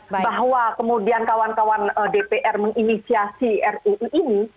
bahwa kemudian kawan kawan dpr menginisiasi ruu ini